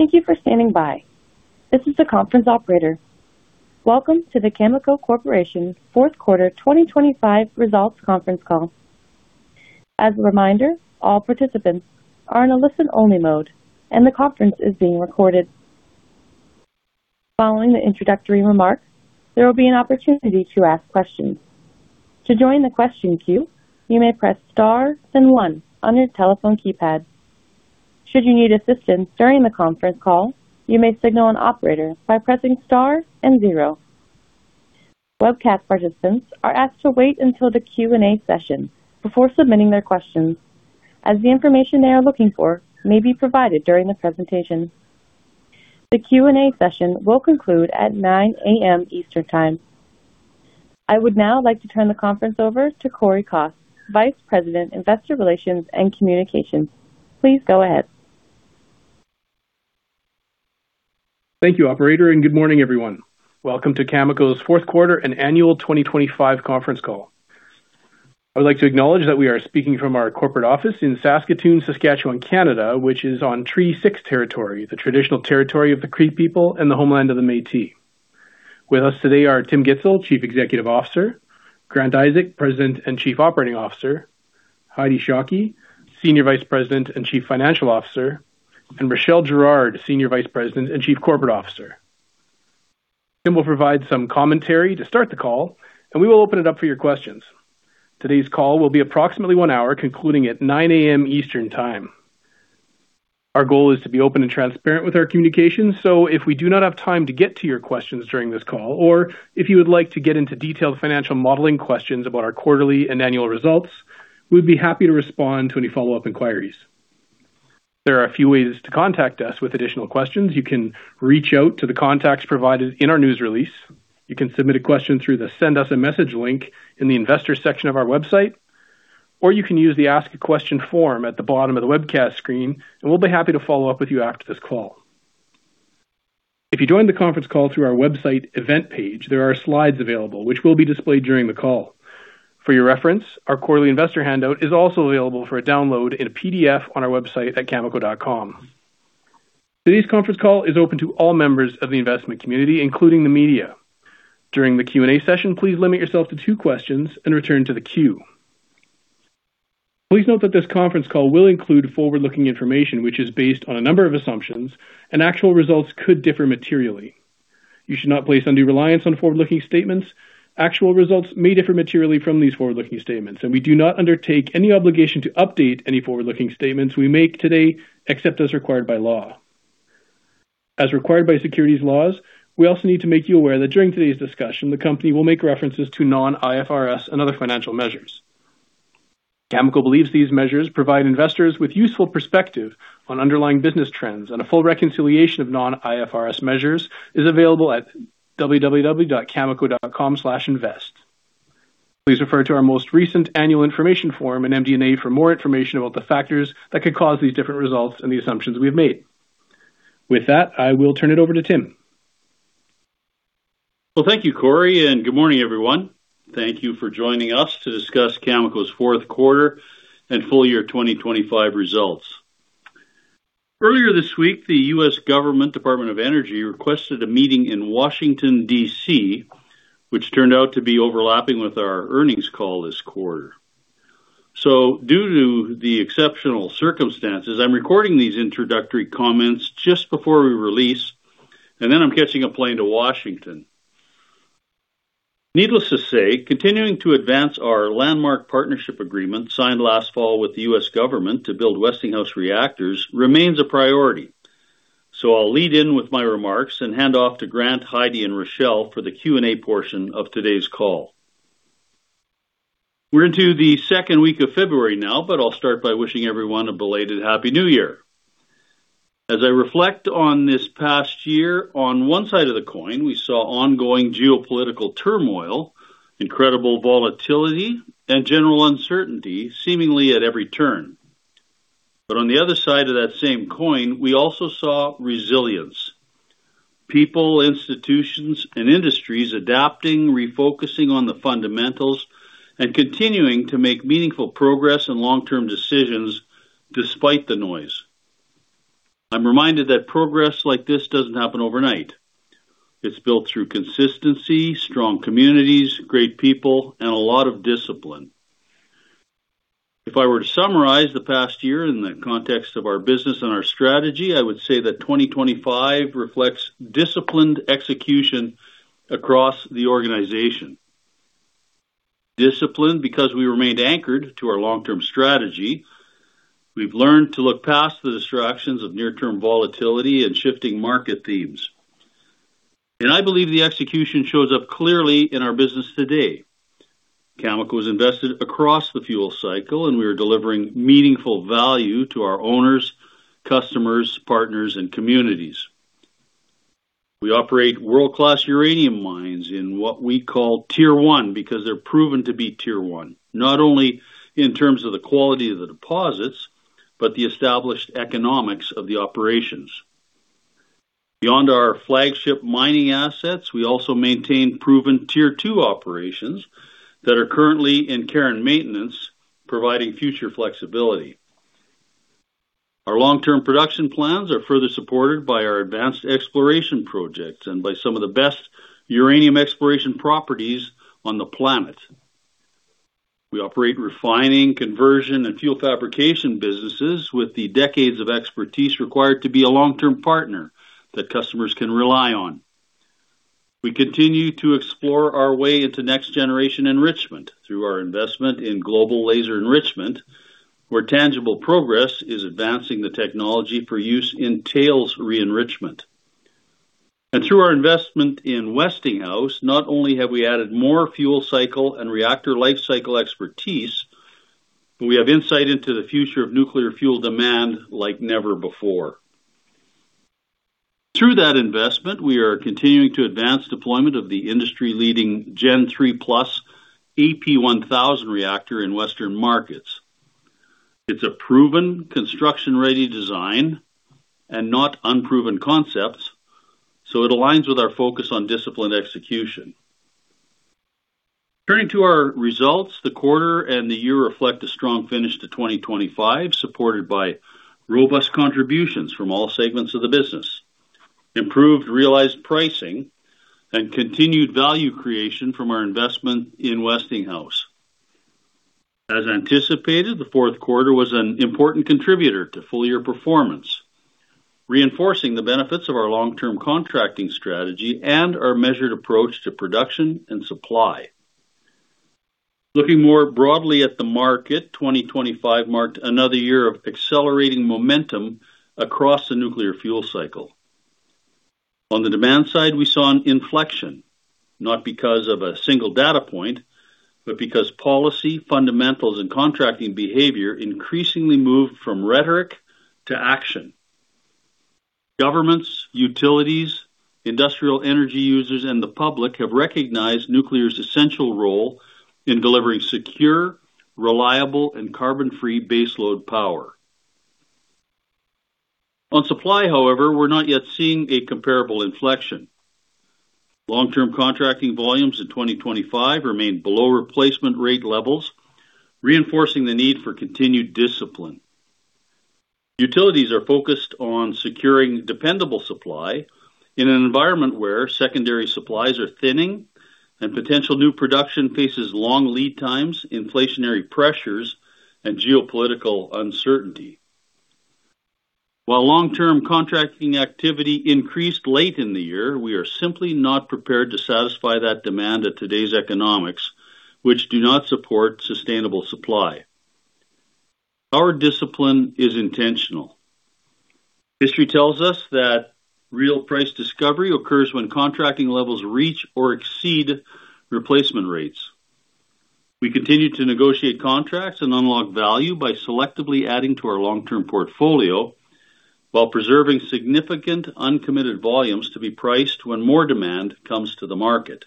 Thank you for standing by. This is the conference operator. Welcome to the Cameco Corporation Fourth Quarter 2025 Results Conference Call. As a reminder, all participants are in a listen-only mode, and the conference is being recorded. Following the introductory remarks, there will be an opportunity to ask questions. To join the question queue, you may press Star then one on your telephone keypad. Should you need assistance during the conference call, you may signal an operator by pressing Star and zero. Webcast participants are asked to wait until the Q&A session before submitting their questions, as the information they are looking for may be provided during the presentation. The Q&A session will conclude at 9 A.M. Eastern Time. I would now like to turn the conference over to Cory Kos, Vice President, Investor Relations and Communications. Please go ahead. Thank you, operator, and good morning, everyone. Welcome to Cameco's fourth quarter and annual 2025 conference call. I would like to acknowledge that we are speaking from our corporate office in Saskatoon, Saskatchewan, Canada, which is on Treaty 6 territory, the traditional territory of the Cree people and the homeland of the Métis. With us today are Tim Gitzel, Chief Executive Officer, Grant Isaac, President and Chief Operating Officer, Heidi Shook, Senior Vice President and Chief Financial Officer, and Rachelle Girard, Senior Vice President and Chief Corporate Officer. Tim will provide some commentary to start the call, and we will open it up for your questions. Today's call will be approximately one hour, concluding at 9:00 A.M. Eastern time. Our goal is to be open and transparent with our communications, so if we do not have time to get to your questions during this call, or if you would like to get into detailed financial modeling questions about our quarterly and annual results, we'd be happy to respond to any follow-up inquiries. There are a few ways to contact us with additional questions. You can reach out to the contacts provided in our news release. You can submit a question through the Send us a message link in the Investor section of our website, or you can use the Ask a Question form at the bottom of the webcast screen, and we'll be happy to follow up with you after this call. If you joined the conference call through our website event page, there are slides available which will be displayed during the call. For your reference, our quarterly investor handout is also available for a download in a PDF on our website at Cameco.com. Today's conference call is open to all members of the investment community, including the media. During the Q&A session, please limit yourself to two questions and return to the queue. Please note that this conference call will include forward-looking information, which is based on a number of assumptions, and actual results could differ materially. You should not place undue reliance on forward-looking statements. Actual results may differ materially from these forward-looking statements, and we do not undertake any obligation to update any forward-looking statements we make today, except as required by law. As required by securities laws, we also need to make you aware that during today's discussion, the company will make references to non-IFRS and other financial measures. Cameco believes these measures provide investors with useful perspective on underlying business trends, and a full reconciliation of non-IFRS measures is available at www.cameco.com/invest. Please refer to our most recent annual information form and MD&A for more information about the factors that could cause these different results and the assumptions we've made. With that, I will turn it over to Tim. Well, thank you, Cory, and good morning, everyone. Thank you for joining us to discuss Cameco's fourth quarter and full year 2025 results. Earlier this week, the U.S. Department of Energy requested a meeting in Washington, D.C., which turned out to be overlapping with our earnings call this quarter. So due to the exceptional circumstances, I'm recording these introductory comments just before we release, and then I'm catching a plane to Washington. Needless to say, continuing to advance our landmark partnership agreement, signed last fall with the U.S. government to build Westinghouse reactors, remains a priority. So I'll lead in with my remarks and hand off to Grant Isaac, Heidi Shoo and Rachelle Girard for the Q&A portion of today's call. We're into the second week of February now, but I'll start by wishing everyone a belated Happy New Year. As I reflect on this past year, on one side of the coin, we saw ongoing geopolitical turmoil, incredible volatility, and general uncertainty, seemingly at every turn. But on the other side of that same coin, we also saw resilience. People, institutions, and industries adapting, refocusing on the fundamentals, and continuing to make meaningful progress and long-term decisions despite the noise. I'm reminded that progress like this doesn't happen overnight. It's built through consistency, strong communities, great people, and a lot of discipline. If I were to summarize the past year in the context of our business and our strategy, I would say that 2025 reflects disciplined execution across the organization. Discipline, because we remained anchored to our long-term strategy. We've learned to look past the distractions of near-term volatility and shifting market themes, and I believe the execution shows up clearly in our business today. Cameco is invested across the fuel cycle and we are delivering meaningful value to our owners, customers, partners, and communities. We operate world-class uranium mines in what we call tier one because they're proven to be tier one, not only in terms of the quality of the deposits, but the established economics of the operations... Beyond our flagship mining assets, we also maintain proven tier two operations that are currently in care and maintenance, providing future flexibility. Our long-term production plans are further supported by our advanced exploration projects and by some of the best uranium exploration properties on the planet. We operate refining, Conversion, and Fuel Fabrication businesses with the decades of expertise required to be a long-term partner that customers can rely on. We continue to explore our way into next-generation enrichment through our investment in Global Laser Enrichment, where tangible progress is advancing the technology for use in tails re-enrichment. Through our investment in Westinghouse, not only have we added more fuel cycle and reactor life cycle expertise, but we have insight into the future of nuclear fuel demand like never before. Through that investment, we are continuing to advance deployment of the industry-leading Gen III+ AP1000 reactor in western markets. It's a proven construction-ready design and not unproven concepts, so it aligns with our focus on disciplined execution. Turning to our results, the quarter and the year reflect a strong finish to 2025, supported by robust contributions from all segments of the business, improved realized pricing, and continued value creation from our investment in Westinghouse. As anticipated, the fourth quarter was an important contributor to full-year performance, reinforcing the benefits of our long-term contracting strategy and our measured approach to production and supply. Looking more broadly at the market, 2025 marked another year of accelerating momentum across the nuclear fuel cycle. On the demand side, we saw an inflection, not because of a single data point, but because policy, fundamentals, and contracting behavior increasingly moved from rhetoric to action. Governments, utilities, industrial energy users, and the public have recognized nuclear's essential role in delivering secure, reliable, and carbon-free baseload power. On the supply side, however, we're not yet seeing a comparable inflection. Long-term contracting volumes in 2025 remained below replacement-rate levels, reinforcing the need for continued discipline. Utilities are focused on securing dependable supply in an environment where secondary supplies are thinning and potential new production faces long lead times, inflationary pressures, and geopolitical uncertainty. While long-term contracting activity increased late in the year, we are simply not prepared to satisfy that demand at today's economics, which do not support sustainable supply. Our discipline is intentional. History tells us that real price discovery occurs when contracting levels reach or exceed replacement rates. We continue to negotiate contracts and unlock value by selectively adding to our long-term portfolio, while preserving significant uncommitted volumes to be priced when more demand comes to the market.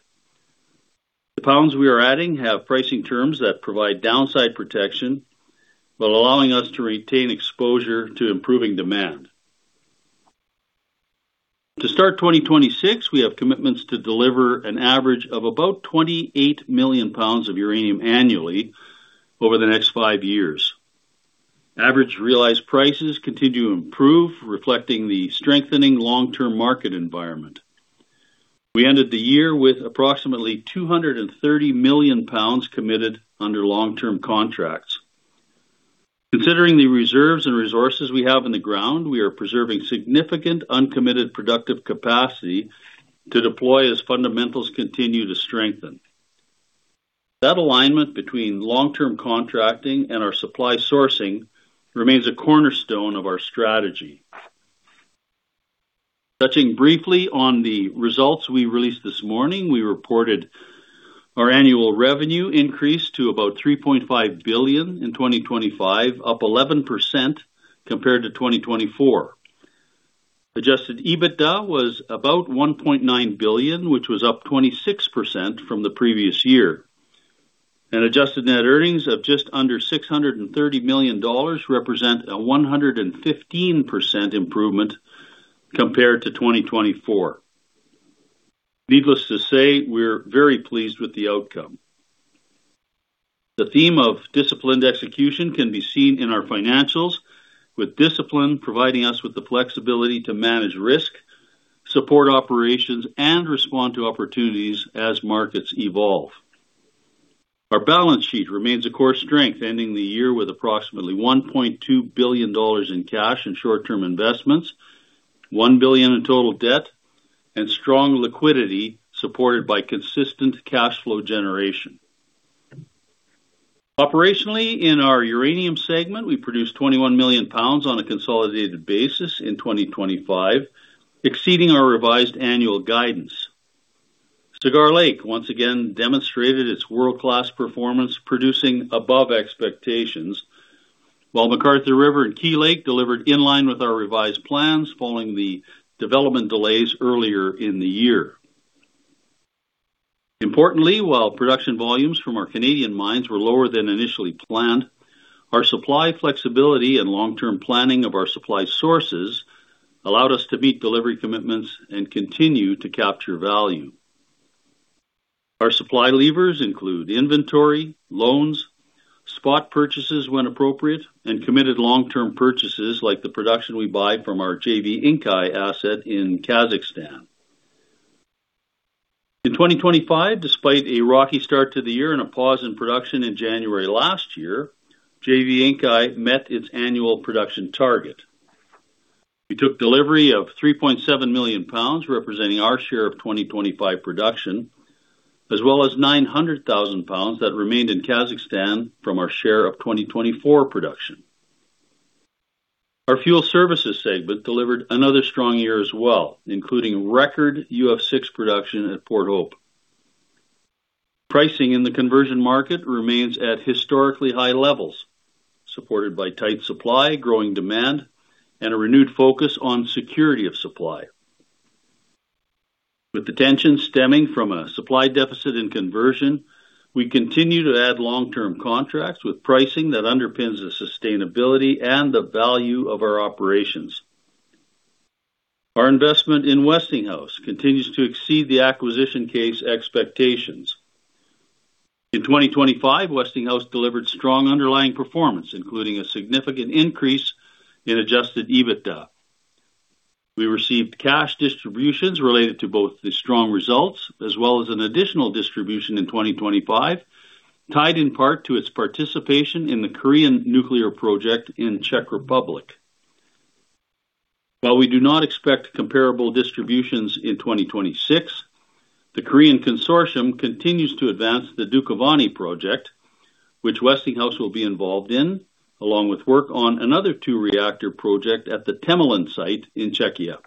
The pounds we are adding have pricing terms that provide downside protection, while allowing us to retain exposure to improving demand. To start 2026, we have commitments to deliver an average of about 28 million pounds of uranium annually over the next five years. Average realized prices continue to improve, reflecting the strengthening long-term market environment. We ended the year with approximately 230 million pounds committed under long-term contracts. Considering the reserves and resources we have in the ground; we are preserving significant uncommitted productive capacity to deploy as fundamentals continue to strengthen. That alignment between long-term contracting and our supply sourcing remains a cornerstone of our strategy. Touching briefly on the results we released this morning, we reported our annual revenue increased to about 3.5 billion in 2025, up 11% compared to 2024. Adjusted EBITDA was about 1.9 billion, which was up 26% from the previous year. Adjusted net earnings of just under 630 million dollars represent a 115% improvement compared to 2024. Needless to say, we're very pleased with the outcome. The theme of disciplined execution can be seen in our financials, with discipline providing us with the flexibility to manage risk, support operations, and respond to opportunities as markets evolve. Our balance sheet remains a core strength, ending the year with approximately 1.2 billion dollars in cash and short-term investments, 1 billion in total debt, and strong liquidity supported by consistent cash flow generation. Operationally, in our uranium segment, we produced 21 million pounds on a consolidated basis in 2025, exceeding our revised annual guidance. Cigar Lake once again demonstrated its world-class performance, producing above expectations, while McArthur River and Key Lake delivered in line with our revised plans following the development delays earlier in the year.... Importantly, while production volumes from our Canadian mines were lower than initially planned, our supply flexibility and long-term planning of our supply sources allowed us to meet delivery commitments and continue to capture value. Our supply levers include inventory, loans, spot purchases when appropriate, and committed long-term purchases, like the production we buy from our JV Inkai asset in Kazakhstan. In 2025, despite a rocky start to the year and a pause in production in January last year, JV Inkai met its annual production target. We took delivery of 3.7 million pounds, representing our share of 2025 production, as well as 900,000 pounds that remained in Kazakhstan from our share of 2024 production. Our fuel services segment delivered another strong year as well, including record UF6 production at Port Hope. Pricing in the conversion market remains at historically high levels, supported by tight supply, growing demand, and a renewed focus on security of supply. With the tension stemming from a supply deficit in conversion, we continue to add long-term contracts with pricing that underpins the sustainability and the value of our operations. Our investment in Westinghouse continues to exceed the acquisition case expectations. In 2025, Westinghouse delivered strong underlying performance, including a significant increase in Adjusted EBITDA. We received cash distributions related to both the strong results as well as an additional distribution in 2025, tied in part to its participation in the Korean nuclear project in Czech Republic. While we do not expect comparable distributions in 2026, the Korean consortium continues to advance the Dukovany project, which Westinghouse will be involved in, along with work on another two-reactor project at the Temelín site in Czechia.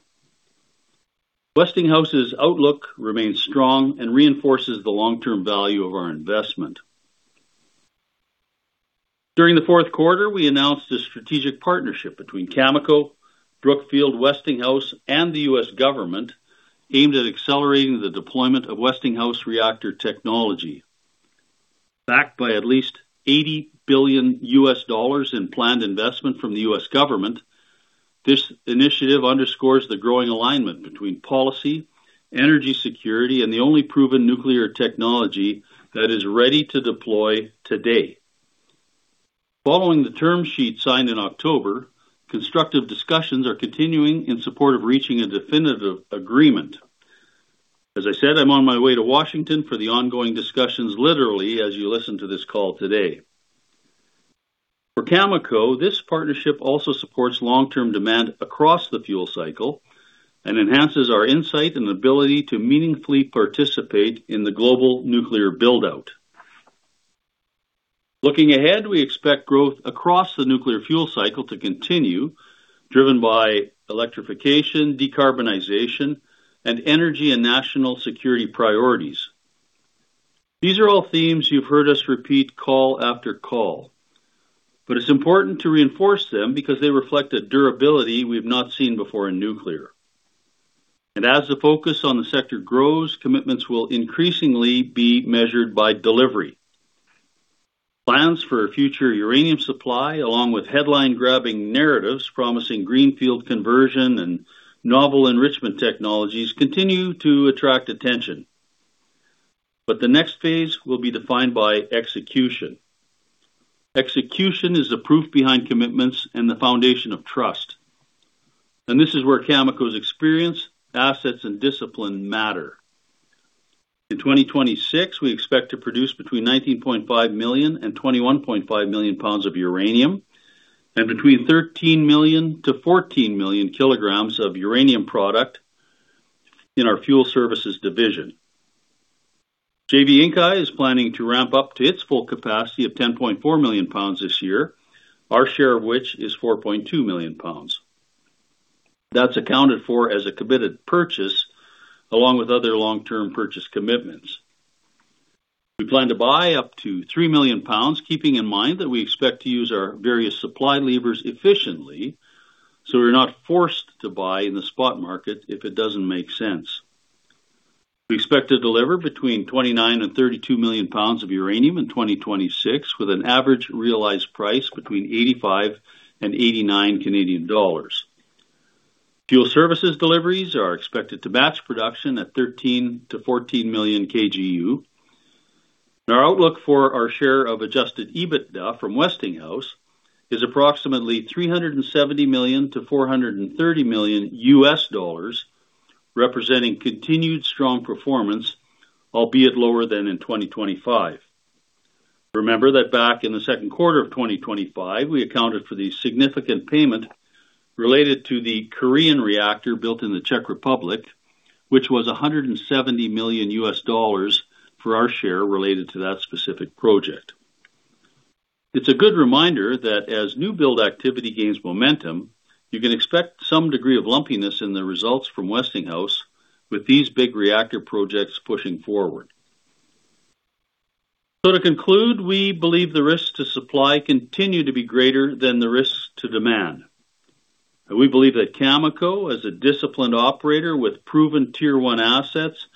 Westinghouse's outlook remains strong and reinforces the long-term value of our investment. During the fourth quarter, we announced a strategic partnership between Cameco, Brookfield, Westinghouse, and the U.S. government, aimed at accelerating the deployment of Westinghouse reactor technology. Backed by at least $80 billion in planned investment from the U.S. government, this initiative underscores the growing alignment between policy, energy security, and the only proven nuclear technology that is ready to deploy today. Following the term sheet signed in October, constructive discussions are continuing in support of reaching a definitive agreement. As I said, I'm on my way to Washington for the ongoing discussions, literally, as you listen to this call today. For Cameco, this partnership also supports long-term demand across the fuel cycle and enhances our insight and ability to meaningfully participate in the global nuclear build-out. Looking ahead, we expect growth across the nuclear fuel cycle to continue, driven by electrification, decarbonization, and energy and national security priorities. These are all themes you've heard us repeat call after call, but it's important to reinforce them because they reflect a durability we've not seen before in nuclear. As the focus on the sector grows, commitments will increasingly be measured by delivery. Plans for future uranium supply, along with headline-grabbing narratives promising greenfield conversion and novel enrichment technologies, continue to attract attention, but the next phase will be defined by execution. Execution is the proof behind commitments and the foundation of trust, and this is where Cameco's experience, assets, and discipline matter. In 2026, we expect to produce between 19.5 million and 21.5 million pounds of uranium and between 13 million-14 million kilograms of uranium product in our fuel services division. JV Inkai is planning to ramp up to its full capacity of 10.4 million pounds this this year, our share of which is 4.2 million pounds. That's accounted for as a committed purchase, along with other long-term purchase commitments. We plan to buy up to 3 million pounds, keeping in mind that we expect to use our various supply levers efficiently, so we're not forced to buy in the spot market if it doesn't make sense. We expect to deliver between 29 and 32 millions pounds of uranium in 2026, with an average realized price between 85 and 89 Canadian dollars. Fuel services deliveries are expected to match production at 13-14 million kgU. Our outlook for our share of adjusted EBITDA from Westinghouse is approximately $370 million-$430 million, representing continued strong performance, albeit lower than in 2025. Remember that back in the second quarter of 2025, we accounted for the significant payment related to the Korean reactor built in the Czech Republic, which was $170 million for our share related to that specific project. It's a good reminder that as new build activity gains momentum, you can expect some degree of lumpiness in the results from Westinghouse with these big reactor projects pushing forward.... To conclude, we believe the risks to supply continue to be greater than the risks to demand. We believe that Cameco, as a disciplined operator with proven Tier One assets,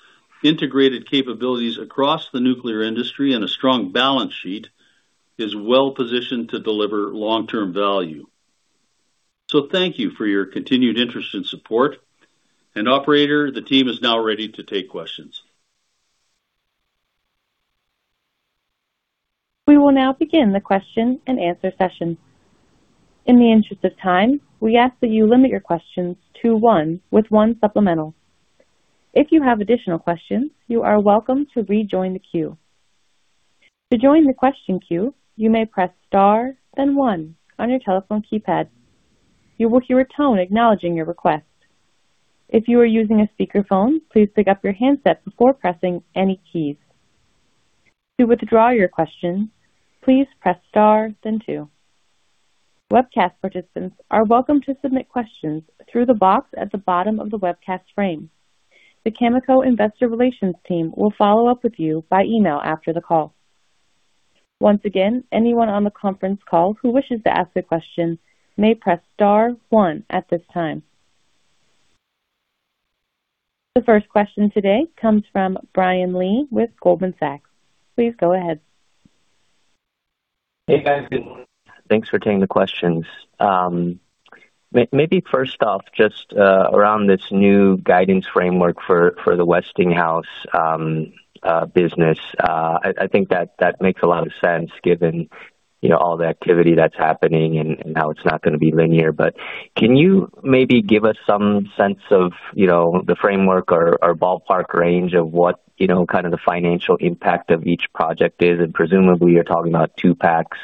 integrated capabilities across the nuclear industry, and a strong balance sheet, is well-positioned to deliver long-term value. Thank you for your continued interest and support. Operator, the team is now ready to take questions. We will now begin the question and answer session. In the interest of time, we ask that you limit your questions to one with one supplemental. If you have additional questions, you are welcome to rejoin the queue. To join the question queue, you may press Star, then one on your telephone keypad. You will hear a tone acknowledging your request. If you are using a speakerphone, please pick up your handset before pressing any keys. To withdraw your question, please press Star then two. Webcast participants are welcome to submit questions through the box at the bottom of the webcast frame. The Cameco investor relations team will follow up with you by email after the call. Once again, anyone on the conference call who wishes to ask a question may press Star one at this time. The first question today comes from Brian Lee with Goldman Sachs. Please go ahead. Hey, guys. Good morning. Thanks for taking the questions. Maybe first off, just around this new guidance framework for the Westinghouse business. I think that makes a lot of sense given, you know, all the activity that's happening and how it's not gonna be linear. But can you maybe give us some sense of, you know, the framework or ballpark range of what, you know, kind of the financial impact of each project is? And presumably, you're talking about two-packs.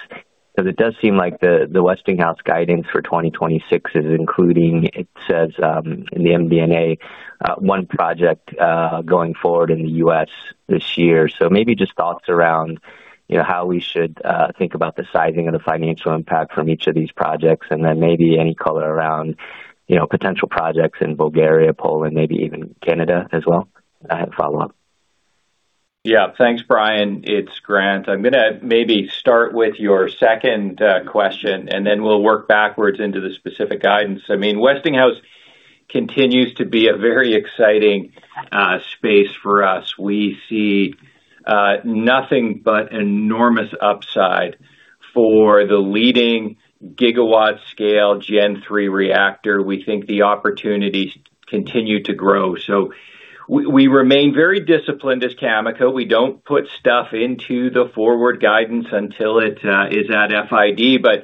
Because it does seem like the Westinghouse guidance for 2026 is including, it says, in the MD&A, one project going forward in the U.S. this year. So maybe just thoughts around, you know, how we should think about the sizing of the financial impact from each of these projects, and then maybe any color around, you know, potential projects in Bulgaria, Poland, maybe even Canada as well. I have a follow-up. Yeah. Thanks, Brian. It's Grant. I'm going to maybe start with your second question, and then we'll work backwards into the specific guidance. I mean, Westinghouse continues to be a very exciting space for us. We see nothing but enormous upside for the leading gigawatt-scale Gen III reactor. We think the opportunities continue to grow. So we remain very disciplined at Cameco. We don't put stuff into the forward guidance until it is at FID. But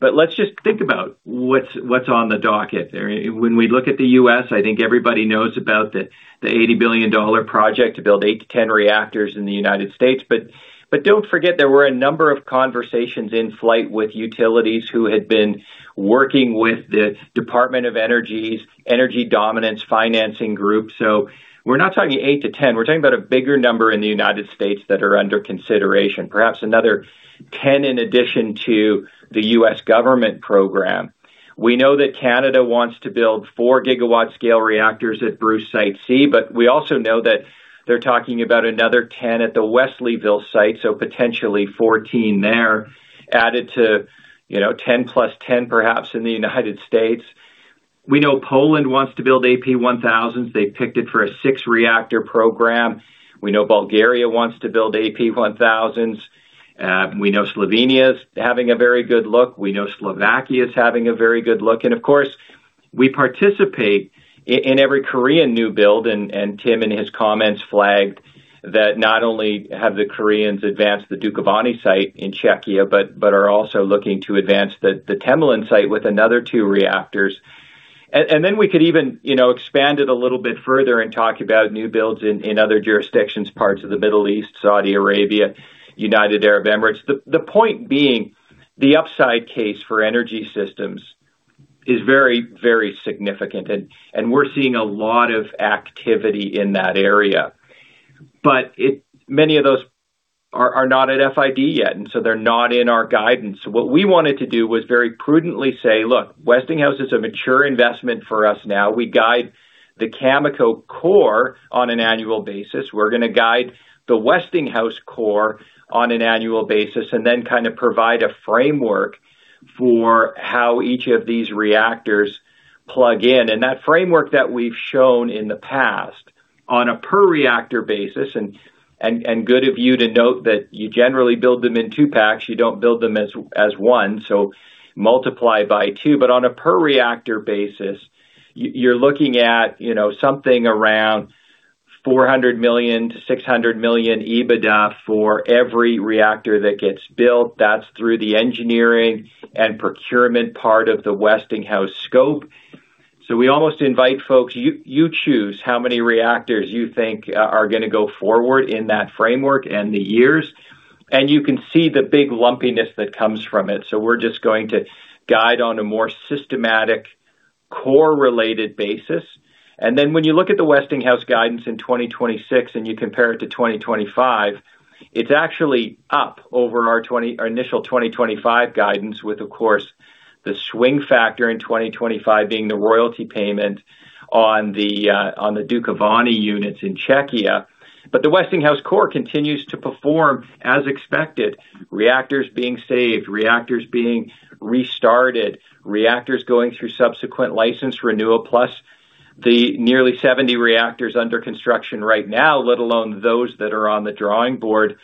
let's just think about what's on the docket. When we look at the U.S., I think everybody knows about the $80 billion project to build 8-10 reactors in the United States. But don't forget, there were a number of conversations in flight with utilities who had been working with the Department of Energy's energy dominance financing group. So, we're not talking 8-10, we're talking about a bigger number in the United States that are under consideration, perhaps another 10 in addition to the U.S. government program. We know that Canada wants to build 4 gigawatt-scale reactors at Bruce Site C, but we also know that they're talking about another 10 at the Wesleyville site, so potentially 14 there, added to, you know, 10 + 10, perhaps in the United States. We know Poland wants to build AP1000s. They've picked it for a 6-reactor program. We know Bulgaria wants to build AP1000s. We know Slovenia is having a very good look. We know Slovakia is having a very good look. Of course, we participate in every Korean new build, and Tim, in his comments, flagged that not only have the Koreans advanced the Dukovany site in Czechia, but are also looking to advance the Temelín site with another two reactors. And then we could even, you know, expand it a little bit further and talk about new builds in other jurisdictions, parts of the Middle East, Saudi Arabia, United Arab Emirates. The point being, the upside case for energy systems is very, very significant, and we're seeing a lot of activity in that area. But many of those are not at FID yet, and so they're not in our guidance. What we wanted to do was very prudently say, look, Westinghouse is a mature investment for us now. We guide the Cameco core on an annual basis. We're going to guide the Westinghouse core on an annual basis and then kind of provide a framework for how each of these reactors plug in. And that framework that we've shown in the past on a per reactor basis, and good of you to note that you generally build them in two-packs, you don't build them as one, so multiply by two. But on a per reactor basis, you're looking at, you know, something around $400 million-$600 million EBITDA for every reactor that gets built. That's through the engineering and procurement part of the Westinghouse scope. So we almost invite folks, you choose how many reactors you think are going to go forward in that framework and the years, and you can see the big lumpiness that comes from it. So we're just going to guide on a more systematic, core-related basis. And then when you look at the Westinghouse guidance in 2026 and you compare it to 2025, it's actually up over our initial 2025 guidance, with, of course, the swing factor in 2025 being the royalty payment on the on the Dukovany units in Czechia. But the Westinghouse core continues to perform as expected. Reactors being saved, reactors being restarted, reactors going through subsequent license renewal, plus the nearly 70 reactors under construction right now, let alone those that are on the drawing board.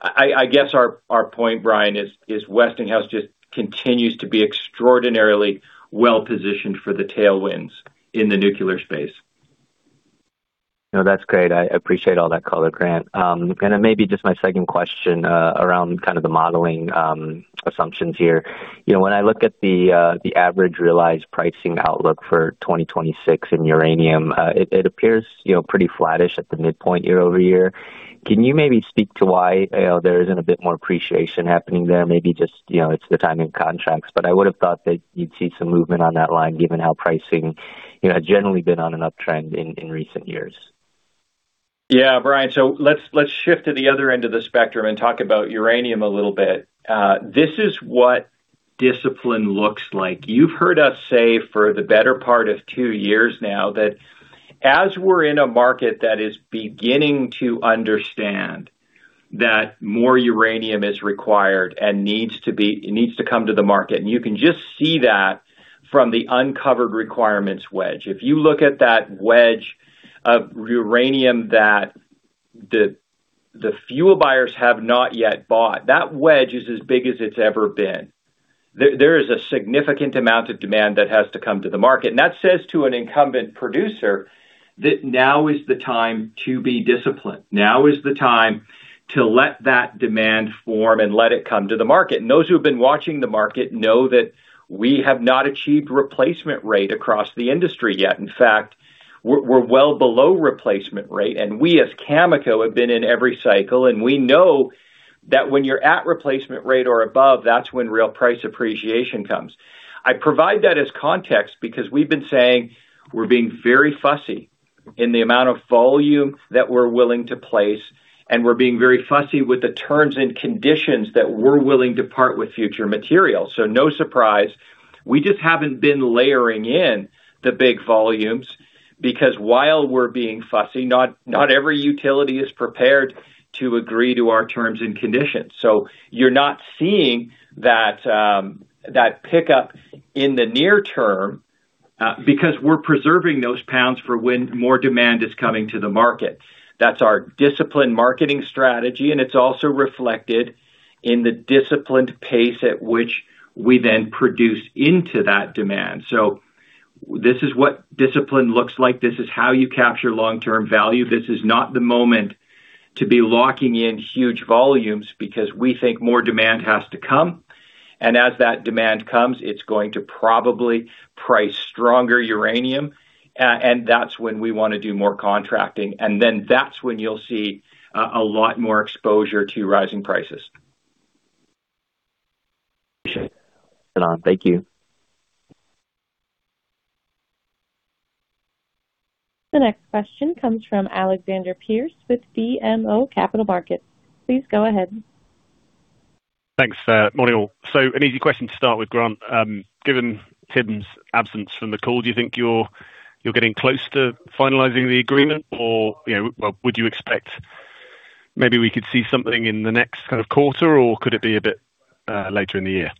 I guess our point, Brian, is Westinghouse just continues to be extraordinarily well-positioned for the tailwinds in the nuclear space. No, that's great. I appreciate all that color, Grant. And then maybe just my second question, around kind of the modeling assumptions here. You know, when I look at the average realized pricing outlook for 2026 in uranium, it appears, you know, pretty flattish at the midpoint year-over-year. Can you maybe speak to why there isn't a bit more appreciation happening there? Maybe just, you know, it's the timing contracts, but I would've thought that you'd see some movement on that line, given how pricing, you know, has generally been on an uptrend in recent years. Yeah, Brian, so let's shift to the other end of the spectrum and talk about uranium a little bit. This is what discipline looks like. You've heard us say for the better part of two years now, that as we're in a market that is beginning to understand that more uranium is required and needs to be needs to come to the market, and you can just see that from the uncovered requirements wedge. If you look at that wedge of uranium that the fuel buyers have not yet bought, that wedge is as big as it's ever been. There is a significant amount of demand that has to come to the market, and that says to an incumbent producer that now is the time to be disciplined. Now is the time to let that demand form and let it come to the market. Those who have been watching the market know that we have not reached replacement rate across the industry yet. In fact, we're well below replacement rate, and we, as Cameco, have been in every cycle, and we know that when you're at replacement rate or above, that's when real price appreciation comes. I provide that as context because we've been saying we're being very fussy in the amount of volume that we're willing to place, and we're being very fussy with the terms and conditions that we're willing to part with future materials. So no surprise, we just haven't been layering in the big volumes because while we're being fussy, not every utility is prepared to agree to our terms and conditions. So you're not seeing that pickup in the near term, because we're preserving those pounds for when more demand is coming to the market. That's our disciplined marketing strategy, and it's also reflected in the disciplined pace at which we then produce into that demand. So this is what discipline looks like. This is how you capture long-term value. This is not the moment to be locking in huge volumes because we think more demand has to come, and as that demand comes, it's going to probably price stronger uranium, and that's when we wanna do more contracting, and then that's when you'll see a lot more exposure to rising prices. Appreciate it. Thank you. The next question comes from Alexander Pearce with BMO Capital Markets. Please go ahead. Thanks, morning, all. So an easy question to start with, Grant. Given Tim's absence from the call, do you think you're, you're getting close to finalizing the agreement, or, you know, well, would you expect maybe we could see something in the next kind of quarter, or could it be a bit, later in the year?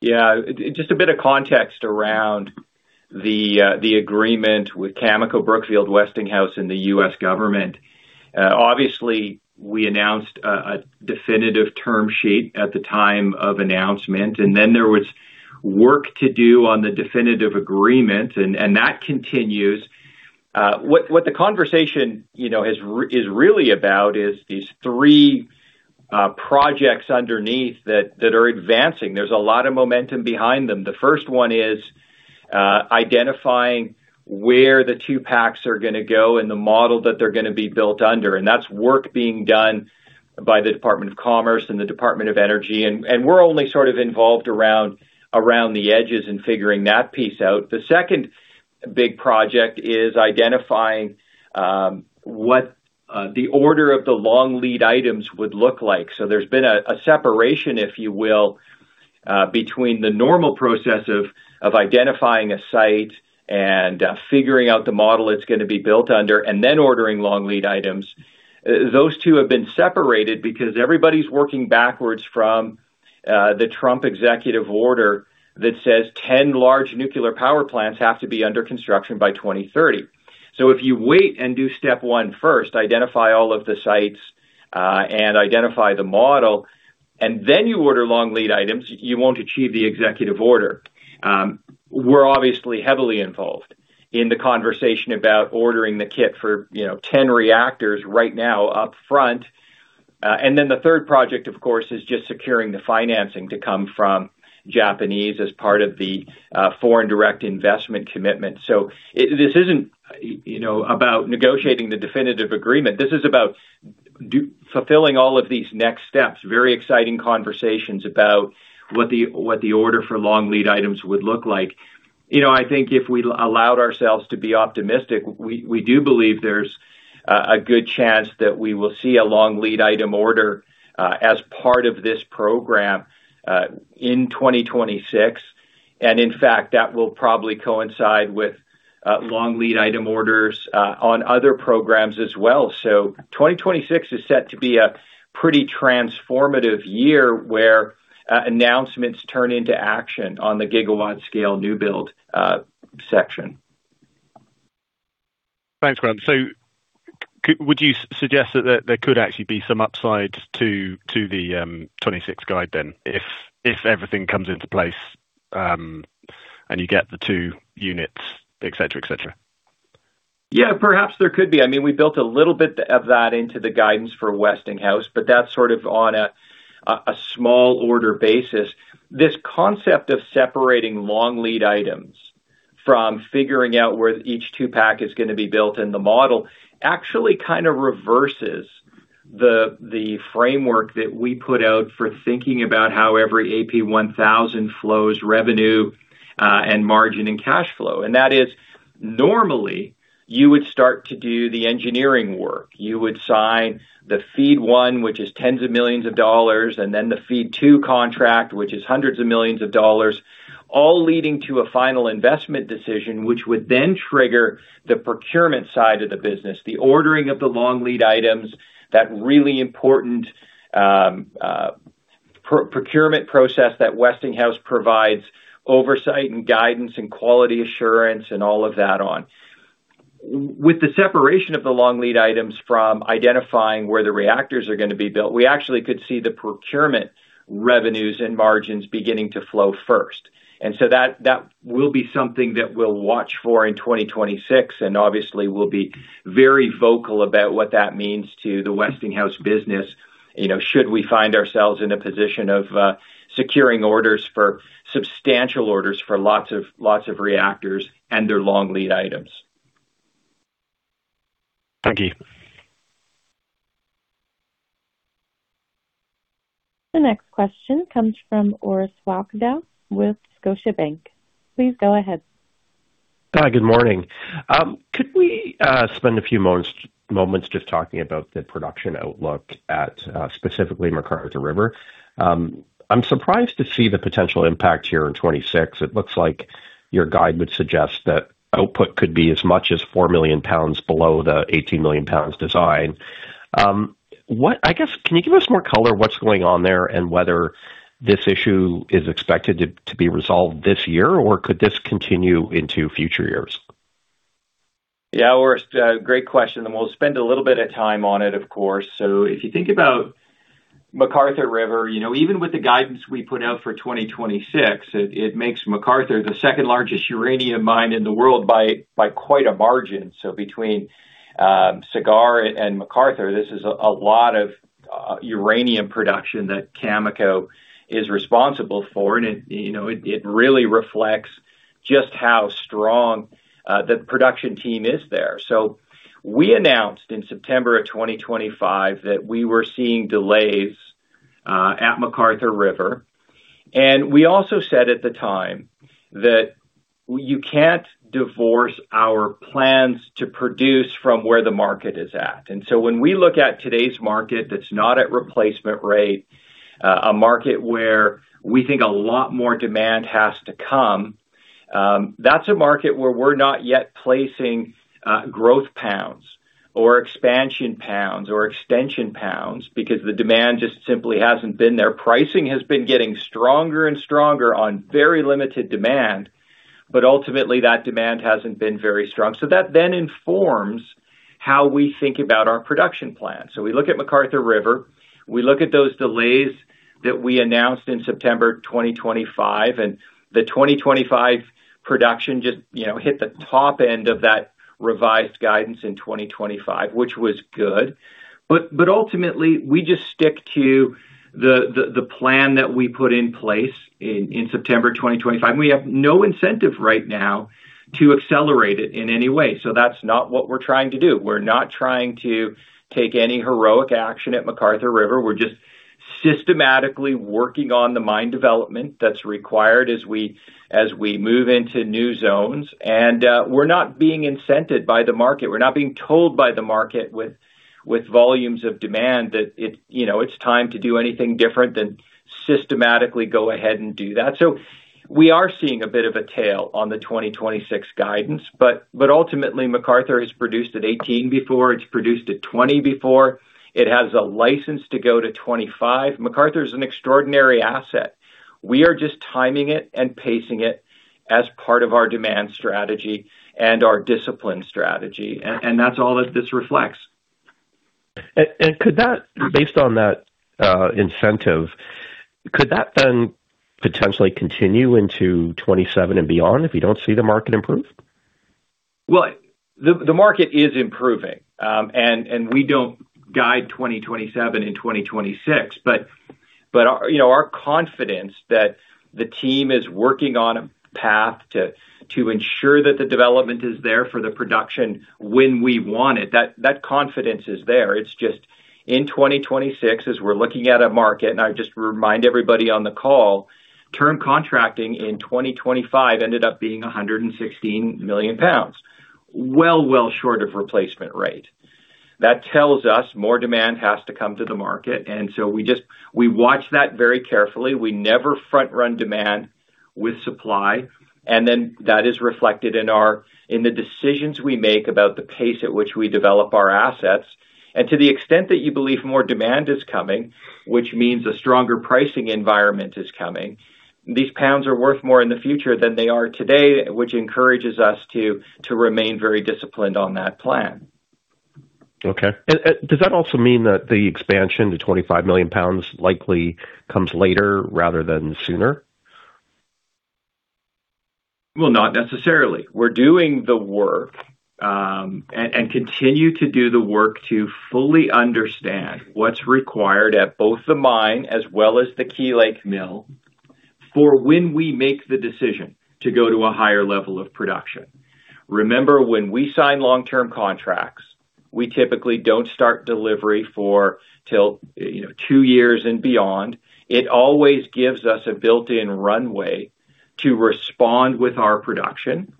Yeah. Just a bit of context around the agreement with Cameco, Brookfield, Westinghouse, and the U.S. government. Obviously, we announced a definitive term sheet at the time of announcement, and then there was work to do on the definitive agreement, and that continues. What the conversation, you know, is really about is these three projects underneath that that are advancing. There's a lot of momentum behind them. The first one is identifying where the two-packs are going to go and the model that they're going to be built under, and that's work being done by the Department of Commerce and the Department of Energy, and we're only sort of involved around the edges in figuring that piece out. The second big project is identifying what the order of the long lead items would look like. So there's been a separation, if you will, between the normal process of identifying a site and figuring out the model it's going to be built under, and then ordering long lead items. Those two have been separated because everybody's working backwards from the Trump executive order that says 10 large nuclear power plants have to be under construction by 2030. So if you wait and do step one first, identify all of the sites and identify the model, and then you order long lead items, you won't achieve the executive order. We're obviously heavily involved in the conversation about ordering the kit for, you know, 10 reactors right now upfront. And then the third project, of course, is just securing the financing to come from Japanese as part of the foreign direct investment commitment. So this isn't, you know, about negotiating the definitive agreement. This is about fulfilling all of these next steps. Very exciting conversations about what the order for Long Lead Items would look like. You know, I think if we allowed ourselves to be optimistic, we do believe there's a good chance that we will see a Long Lead Item order as part of this program in 2026. And in fact, that will probably coincide with Long Lead Item orders on other programs as well. So 2026 is set to be a pretty transformative year, where announcements turn into action on the gigawatt-scale new build section. Thanks, Graham. So would you suggest that there could actually be some upside to the 26 guide then, if everything comes into place, and you get the 2 units, et cetera, et cetera? Yeah, perhaps there could be. I mean, we built a little bit of that into the guidance for Westinghouse, but that's sort of on a small order basis. This concept of separating long lead items from figuring out where each two-pack is gonna be built in the model actually kind of reverses the framework that we put out for thinking about how every AP1000 flows revenue, and margin and cash flow. And that is, normally, you would start to do the engineering work. You would sign the FEED one, which is $10s of millions, and then the FEED two contract, which is $100s of millions, all leading to a final investment decision, which would then trigger the procurement side of the business, the ordering of the long lead items, that really important procurement process that Westinghouse provides, oversight and guidance and quality assurance and all of that on. With the separation of the long lead items from identifying where the reactors are gonna be built, we actually could see the procurement revenues and margins beginning to flow first. And so that, that will be something that we'll watch for in 2026, and obviously, we'll be very vocal about what that means to the Westinghouse business, you know, should we find ourselves in a position of securing orders for substantial orders for lots of, lots of reactors and their long lead items. Thank you. The next question comes from Orest Wowkodaw with Scotiabank. Please go ahead. Hi, good morning. Could we spend a few moments just talking about the production outlook at, specifically McArthur River? I'm surprised to see the potential impact here in 2026. It looks like your guide would suggest that output could be as much as 4 million pounds below the 18 million pounds design. I guess, can you give us more color on what's going on there and whether this issue is expected to be resolved this year, or could this continue into future years? Yeah, Orest, great question, and we'll spend a little bit of time on it, of course. So if you think about McArthur River, you know, even with the guidance we put out for 2026, it makes McArthur the second largest uranium mine in the world by quite a margin. So between Cigar and McArthur, this is a lot of uranium production that Cameco is responsible for, and it, you know, it really reflects just how strong the production team is there. So we announced in September of 2025 that we were seeing delays at McArthur River. And we also said at the time that you can't divorce our plans to produce from where the market is at. And so when we look at today's market, that's not at replacement rate, a market where we think a lot more demand has to come, that's a market where we're not yet placing growth pounds or expansion pounds or extension pounds because the demand just simply hasn't been there. Pricing has been getting stronger and stronger on very limited demand, but ultimately, that demand hasn't been very strong. So that then informs how we think about our production plan. So we look at McArthur River, we look at those delays that we announced in September 2025, and the 2025 production just, you know, hit the top end of that revised guidance in 2025, which was good. But ultimately, we just stick to the plan that we put in place in September 2025. We have no incentive right now to accelerate it in any way. So that's not what we're trying to do. We're not trying to take any heroic action at McArthur River. We're just systematically working on the mine development that's required as we, as we move into new zones. And we're not being incented by the market. We're not being told by the market with, with volumes of demand that it, you know, it's time to do anything different than systematically go ahead and do that. So we are seeing a bit of a tail on the 2026 guidance, but, but ultimately McArthur has produced at 18 before, it's produced at 20 before. It has a license to go to 25. McArthur is an extraordinary asset. We are just timing it and pacing it as part of our demand strategy and our discipline strategy, and that's all that this reflects. And could that, based on that incentive, could that then potentially continue into 2027 and beyond, if you don't see the market improve? Well, the market is improving, and we don't guide 2027 and 2026. But, you know, our confidence that the team is working on a path to ensure that the development is there for the production when we want it, that confidence is there. It's just in 2026, as we're looking at a market, and I just remind everybody on the call, term contracting in 2025 ended up being 116 million pounds. Well short of replacement rate. That tells us more demand has to come to the market, and so we watch that very carefully. We never front-run demand with supply, and then that is reflected in the decisions we make about the pace at which we develop our assets. To the extent that you believe more demand is coming, which means a stronger pricing environment is coming, these pounds are worth more in the future than they are today, which encourages us to remain very disciplined on that plan. Okay. And, does that also mean that the expansion to 25 million pounds likely comes later rather than sooner? Well, not necessarily. We're doing the work and continue to do the work to fully understand what's required at both the mine as well as the Key Lake mill, for when we make the decision to go to a higher level of production. Remember, when we sign long-term contracts, we typically don't start delivery until, you know, two years and beyond. It always gives us a built-in runway to respond with our production.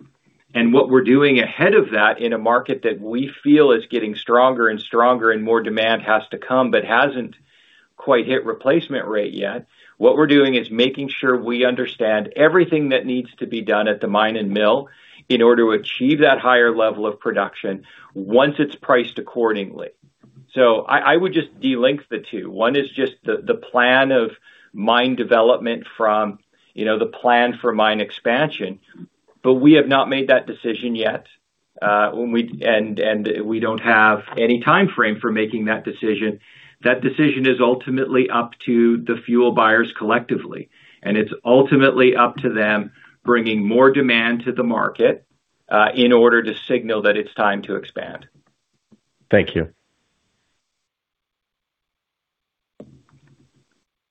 And what we're doing ahead of that in a market that we feel is getting stronger and stronger and more demand has to come, but hasn't quite hit replacement rate yet, what we're doing is making sure we understand everything that needs to be done at the mine and mill in order to achieve that higher level of production once it's priced accordingly. So I would just delink the two. One is just the plan of mine development from, you know, the plan for mine expansion, but we have not made that decision yet. And we don't have any timeframe for making that decision. That decision is ultimately up to the fuel buyers collectively, and it's ultimately up to them bringing more demand to the market, in order to signal that it's time to expand. Thank you.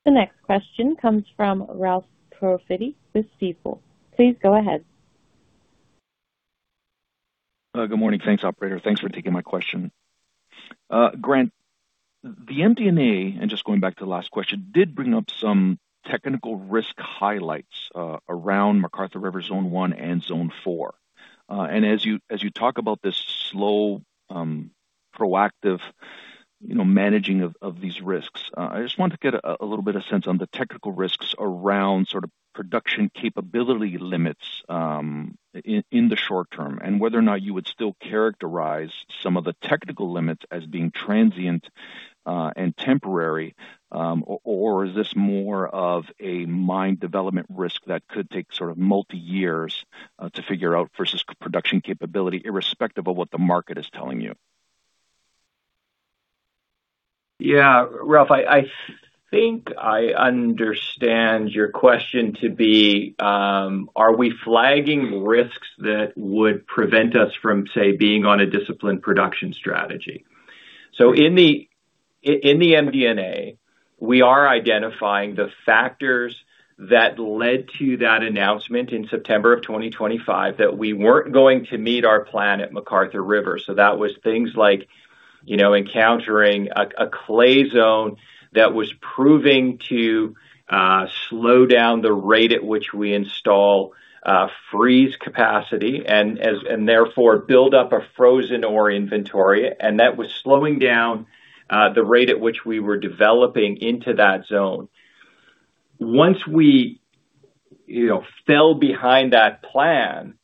The next question comes from Ralph Profiti with Stifel. Please go ahead. Good morning. Thanks, operator. Thanks for taking my question. Grant, the MD&A, and just going back to the last question, did bring up some technical risk highlights, around McArthur River Zone One and Zone Four. And as you, as you talk about this slow, proactive, you know, managing of, of these risks, I just wanted to get a, a little bit of sense on the technical risks around sort of production capability limits, in, in the short term, and whether or not you would still characterize some of the technical limits as being transient, and temporary, or is this more of a mine development risk that could take sort of multi years, to figure out versus production capability, irrespective of what the market is telling you? Yeah, Ralph, I think I understand your question to be, are we flagging risks that would prevent us from, say, being on a disciplined production strategy? So in the MD&A, we are identifying the factors that led to that announcement in September 2025, that we weren't going to meet our plan at McArthur River. So that was things like, you know, encountering a clay zone that was proving to slow down the rate at which we install freeze capacity and therefore, build up a frozen ore inventory, and that was slowing down the rate at which we were developing into that zone. Once we, you know, fell behind that plan,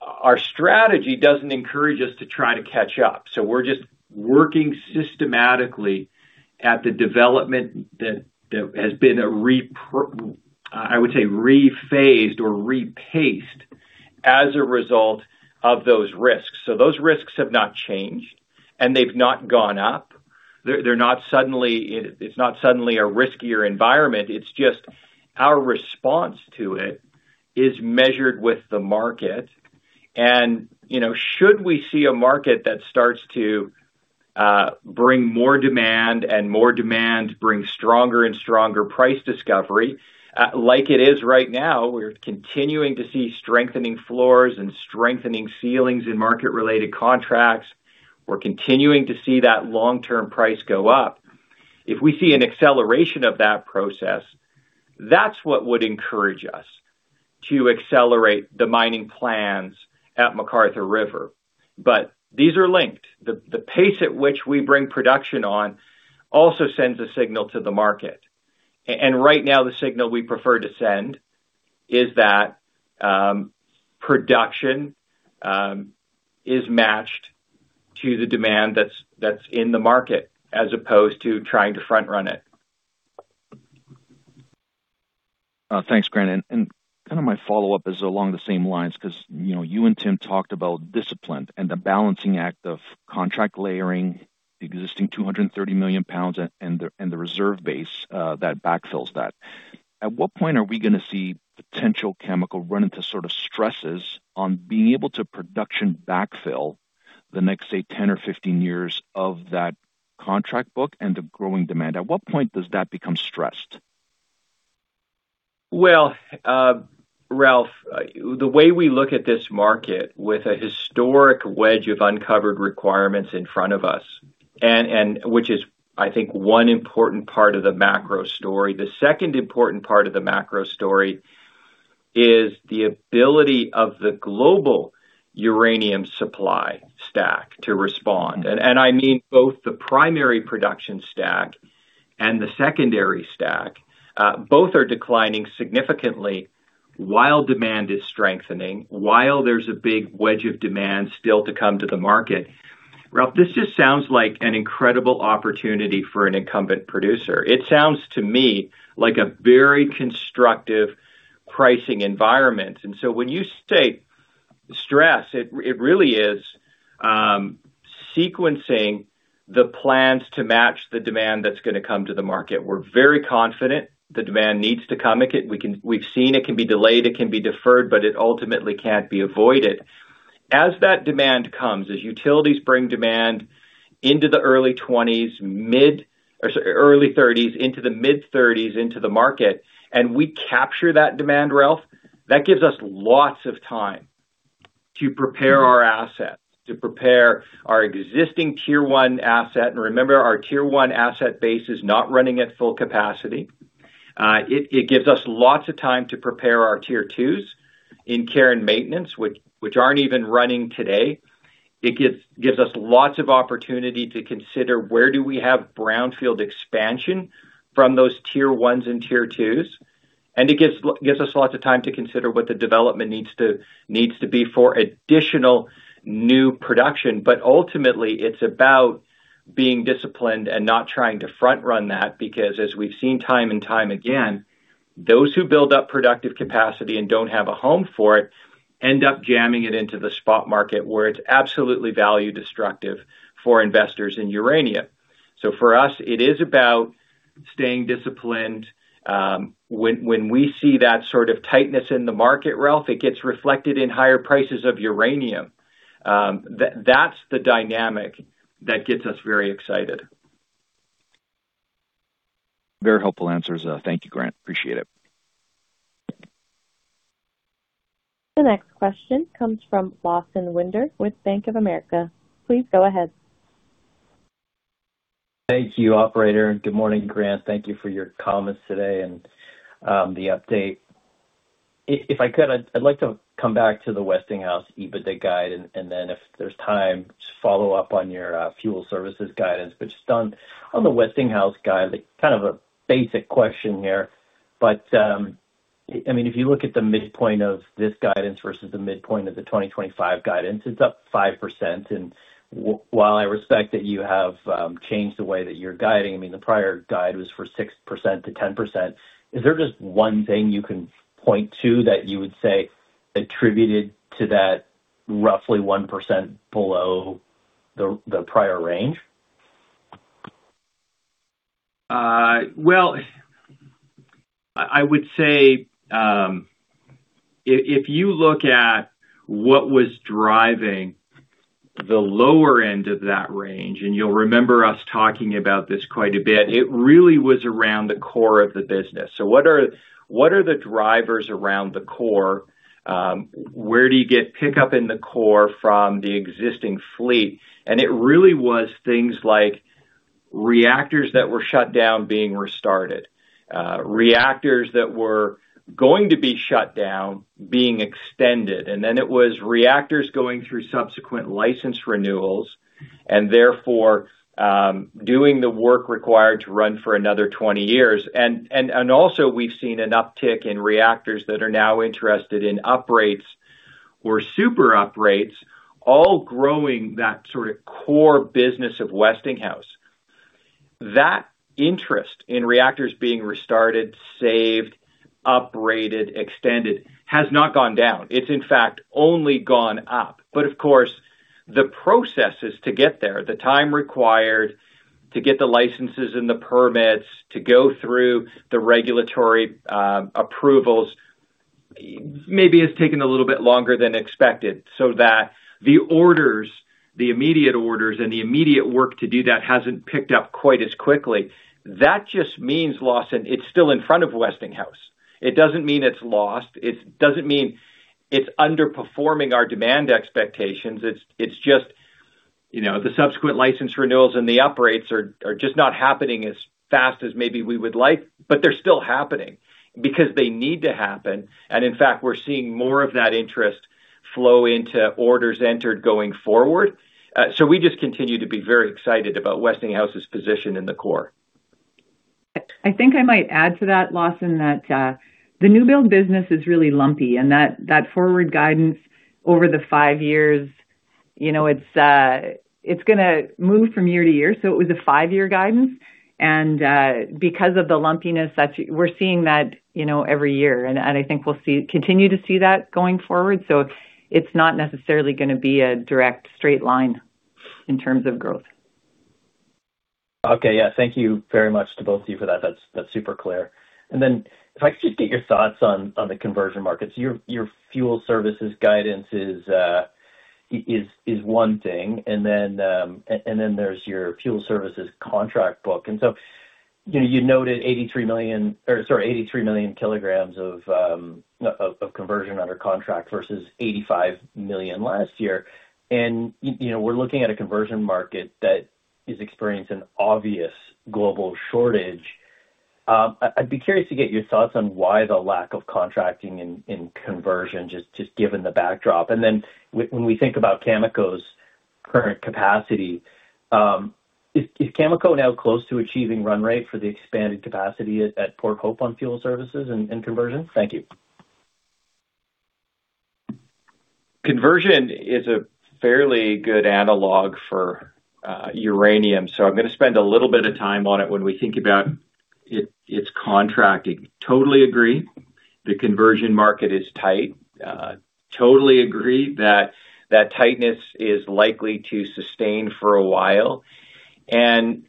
our strategy doesn't encourage us to try to catch up. So we're just working systematically at the development that has been rephased or replaced as a result of those risks. So those risks have not changed, and they've not gone up. They're not suddenly; it's not suddenly a riskier environment. It's just our response to it is measured with the market. And, you know, should we see a market that starts to bring more demand, and more demand bring stronger and stronger price discovery, like it is right now, we're continuing to see strengthening floors and strengthening ceilings in market-related contracts. We're continuing to see that long-term price go up. If we see an acceleration of that process, that's what would encourage us to accelerate the mining plans at McArthur River. But these are linked. The pace at which we bring production on also sends a signal to the market. And right now, the signal we prefer to send is that production is matched to the demand that's in the market, as opposed to trying to front run it. Thanks, Grant. And kind of my follow-up is along the same lines, 'cause, you know, you and Tim talked about discipline and the balancing act of contract layering, the existing 230 million pounds and the reserve base that backfills that. At what point are we gonna see potential Cameco run into sort of stresses on being able to production backfill the next, say, 10 or 15 years of that contract book and the growing demand? At what point does that become stressed? Well, Ralph, the way we look at this market, with a historic wedge of uncovered requirements in front of us, and which is, I think, one important part of the macro story. The second important part of the macro story is the ability of the global uranium supply stack to respond. And I mean, both the primary production stack and the secondary stack, both are declining significantly while demand is strengthening, while there's a big wedge of demand still to come to the market. Ralph, this just sounds like an incredible opportunity for an incumbent producer. It sounds to me like a very constructive pricing environment. And so when you state stress, it really is sequencing the plans to match the demand that's gonna come to the market. We're very confident the demand needs to come. It can be delayed, it can be deferred, but it ultimately can't be avoided. As that demand comes, as utilities bring demand into the early 20s, mid... or sorry, early 30s into the mid-30s into the market, and we capture that demand, Ralph, that gives us lots of time to prepare our assets, to prepare our existing Tier One asset. And remember, our Tier One asset base is not running at full capacity. It gives us lots of time to prepare our Tier Twos in Care and Maintenance, which aren't even running today. It gives us lots of opportunity to consider where do we have brownfield expansion from those Tier Ones and Tier Twos, and it gives us lots of time to consider what the development needs to be for additional new production. Ultimately, it's about being disciplined and not trying to front-run that, because as we've seen time and time again, those who build up productive capacity and don't have a home for it, end up jamming it into the spot market, where it's absolutely value destructive for investors in uranium. For us, it is about staying disciplined. When we see that sort of tightness in the market, Ralph, it gets reflected in higher prices of uranium. That's the dynamic that gets us very excited. Very helpful answers. Thank you, Grant. Appreciate it. The next question comes from Lawson Winder with Bank of America. Please go ahead. Thank you, operator, and good morning, Grant. Thank you for your comments today and the update. If I could, I'd like to come back to the Westinghouse EBITDA guide, and then if there's time, just follow up on your fuel services guidance. But just on the Westinghouse guide, like, kind of a basic question here, but I mean, if you look at the midpoint of this guidance versus the midpoint of the 2025 guidance, it's up 5%. And while I respect that you have changed the way that you're guiding, I mean, the prior guide was for 6%-10%. Is there just one thing you can point to that you would say attributed to that roughly 1% below the prior range? Well, I would say, if you look at what was driving the lower end of that range, and you'll remember us talking about this quite a bit, it really was around the core of the business. So what are, what are the drivers around the core? Where do you get pickup in the core from the existing fleet? And it really was things like reactors that were shut down, being restarted, reactors that were going to be shut down, being extended, and then it was reactors going through subsequent license renewals and therefore, doing the work required to run for another 20 years. And also, we've seen an uptick in reactors that are now interested in uprates or super uprates, all growing that sort of core business of Westinghouse. That interest in reactors being restarted, saved, uprated, extended, has not gone down. It's in fact only gone up. But of course, the processes to get there, the time required to get the licenses and the permits to go through the regulatory approvals, maybe it's taking a little bit longer than expected. So that the orders, the immediate orders and the immediate work to do that hasn't picked up quite as quickly. That just means, Lawson, it's still in front of Westinghouse. It doesn't mean it's lost, it doesn't mean it's underperforming our demand expectations. It's, it's just, you know, the subsequent license renewals and the uprates are, are just not happening as fast as maybe we would like, but they're still happening because they need to happen. And in fact, we're seeing more of that interest flow into orders entered going forward. So we just continue to be very excited about Westinghouse's position in the core. I think I might add to that, Lawson, that the new build business is really lumpy, and that forward guidance over the five years, you know, it's gonna move from year to year, so it was a five-year guidance. And because of the lumpiness, we're seeing that, you know, every year, and I think we'll continue to see that going forward. So it's not necessarily gonna be a direct straight line in terms of growth. Okay. Yeah. Thank you very much to both of you for that. That's super clear. And then if I could just get your thoughts on the conversion markets. Your fuel services guidance is one thing, and then there's your fuel services contract book. And so, you know, you noted 83 million kilograms of conversion under contract versus 85 million last year. And you know, we're looking at a conversion market that is experiencing an obvious global shortage. I'd be curious to get your thoughts on why the lack of contracting in conversion, just given the backdrop? When we think about Cameco's current capacity, is Cameco now close to achieving run rate for the expanded capacity at Port Hope on fuel services and conversion? Thank you. Conversion is a fairly good analog for uranium, so I'm gonna spend a little bit of time on it when we think about it, its contracting. Totally agree, the conversion market is tight. Totally agree that that tightness is likely to sustain for a while, and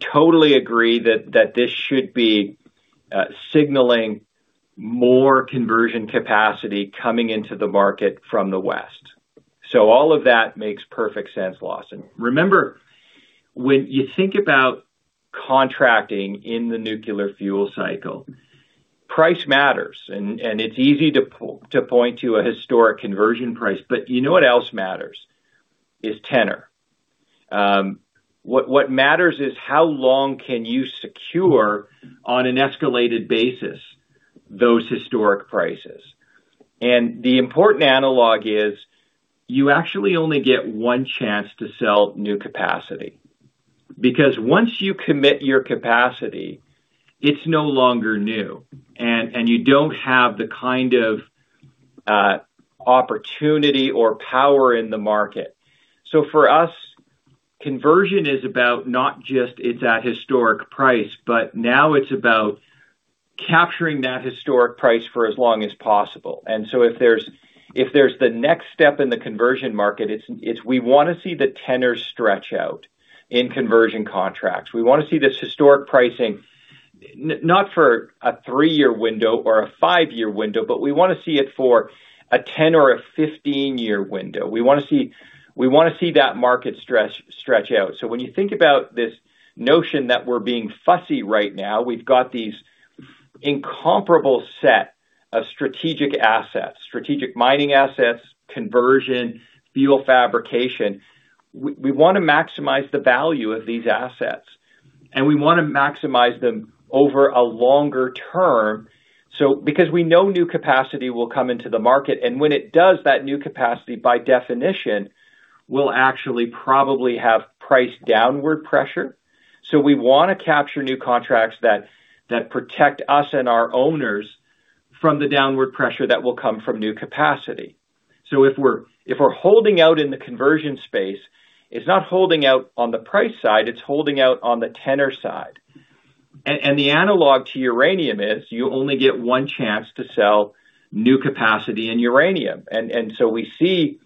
totally agree that this should be signaling more conversion capacity coming into the market from the West. So all of that makes perfect sense, Lawson. Remember, when you think about contracting in the nuclear fuel cycle, price matters, and it's easy to point to a historic conversion price. But you know what else matters? Is tenor. What matters is how long can you secure on an escalated basis, those historic prices. The important analog is, you actually only get one chance to sell new capacity, because once you commit your capacity, it's no longer new, and, and you don't have the kind of opportunity or power in the market. So for us, conversion is about not just it's at historic price, but now it's about capturing that historic price for as long as possible. And so if there's, if there's the next step in the conversion market, it's, it's we wanna see the tenor stretch out in conversion contracts. We wanna see this historic pricing not for a three-year window or a five-year window, but we wanna see it for a 10 or a 15-year window. We wanna see-- We wanna see that market stretch, stretch out. So when you think about this notion that we're being fussy right now, we've got these incomparable set of strategic assets, strategic mining assets, conversion, fuel fabrication. We wanna maximize the value of these assets, and we wanna maximize them over a longer term. So, because we know new capacity will come into the market, and when it does, that new capacity, by definition, will actually probably have price downward pressure. So we wanna capture new contracts that protect us and our owners from the downward pressure that will come from new capacity. So if we're holding out in the conversion space, it's not holding out on the price side, it's holding out on the tenor side. And the analog to uranium is, you only get one chance to sell new capacity in uranium. So we see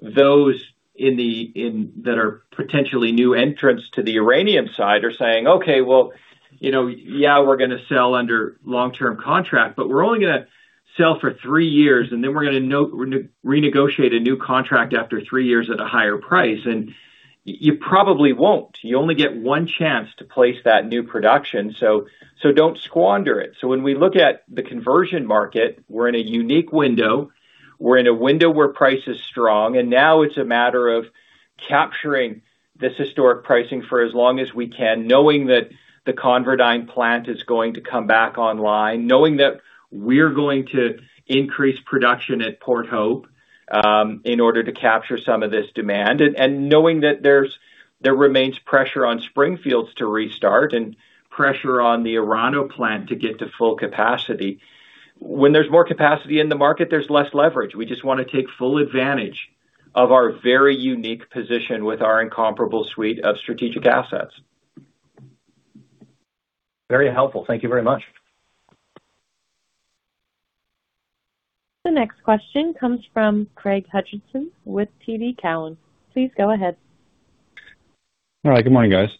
those that are potentially new entrants to the uranium side are saying, "Okay, well, you know, yeah, we're gonna sell under long-term contract, but we're only gonna sell for three years, and then we're gonna renegotiate a new contract after three years at a higher price." And you probably won't. You only get one chance to place that new production, so don't squander it. So when we look at the conversion market, we're in a unique window. We're in a window where price is strong, and now it's a matter of capturing this historic pricing for as long as we can, knowing that the ConverDyn plant is going to come back online, knowing that we're going to increase production at Port Hope in order to capture some of this demand, and knowing that there remains pressure on Springfields to restart and pressure on the Orano plant to get to full capacity. When there's more capacity in the market, there's less leverage. We just wanna take full advantage of our very unique position with our incomparable suite of strategic assets. Very helpful. Thank you very much. The next question comes from Craig Hutchison with TD Cowen. Please go ahead. All right, good morning, guys.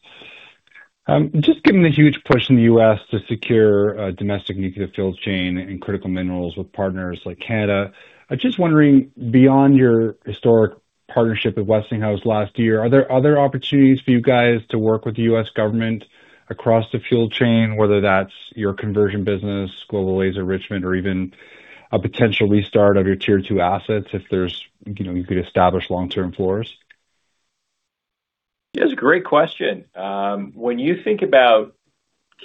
Just given the huge push in the U.S. to secure domestic nuclear fuel chain and critical minerals with partners like Canada, I'm just wondering, beyond your historic partnership with Westinghouse last year, are there other opportunities for you guys to work with the U.S. government across the fuel chain, whether that's your conversion business, Global Laser Enrichment, or even a potential restart of your Tier Two assets if there's, you know, you could establish long-term floors? Yeah, it's a great question. When you think about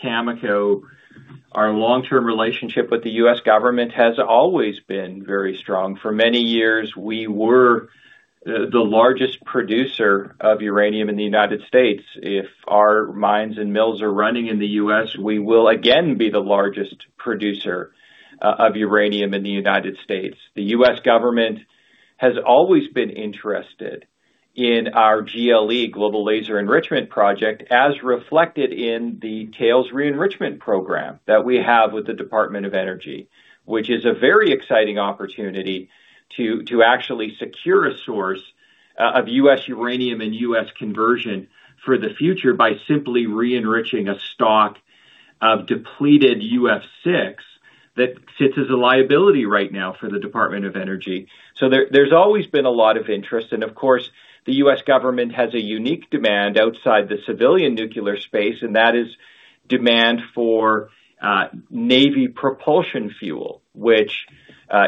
Cameco, our long-term relationship with the U.S. government has always been very strong. For many years, we were the largest producer of uranium in the United States. If our mines and mills are running in the U.S., we will again be the largest producer of uranium in the United States. The U.S. government has always been interested in our GLE, Global Laser Enrichment Project, as reflected in the tails re-enrichment program that we have with the Department of Energy, which is a very exciting opportunity to actually secure a source of U.S. uranium and U.S. conversion for the future by simply re-enriching a stock of depleted UF6 that sits as a liability right now for the Department of Energy. So there's always been a lot of interest. Of course, the U.S. government has a unique demand outside the civilian nuclear space, and that is demand for Navy propulsion fuel, which